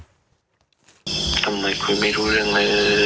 ทำไมคุยไม่รู้เรื่องอะไรเอ่ย